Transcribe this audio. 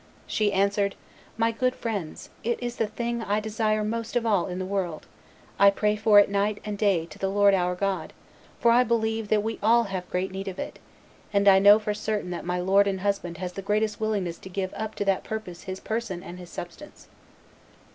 She answered, "My good friends, it is the thing I desire most of all in the world; I pray for it night and day to the Lord our God, for I believe that we all have great need of it, and I know for certain that my lord and husband has the greatest willingness to give up to that purpose his person and his substance."